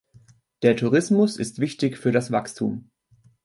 Der Tourismus ist wichtig für das Wachstum.